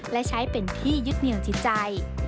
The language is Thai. และใช้เป็นที่ยึดเหนียวจิตใจ